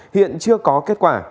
hiện chưa có kết quả